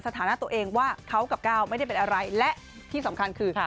สถานะตัวเองว่าเขากับก้าวไม่ได้เป็นอะไรและที่สำคัญคือ